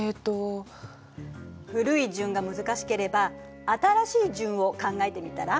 古い順が難しければ新しい順を考えてみたら？